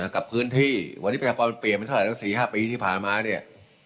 กับพื้นที่วันนี้มันเปลี่ยนเป็น๔๕ปีที่ผ่านมาเนี่ย